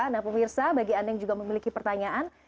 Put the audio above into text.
nah pemirsa bagi anda yang juga memiliki pertanyaan